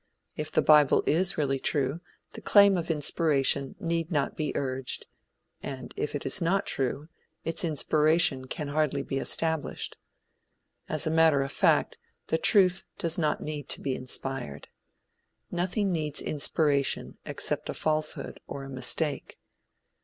If the bible is really true, the claim of inspiration need not be urged; and if it is not true, its inspiration can hardly be established. As a matter of fact, the truth does not need to be inspired. Nothing needs inspiration except a falsehood or a mistake.